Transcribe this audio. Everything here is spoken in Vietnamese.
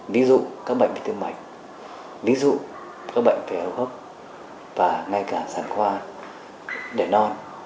ví dụ các bệnh bị tương mạch ví dụ các bệnh về hầu hấp và ngay cả sản khoa đẻ non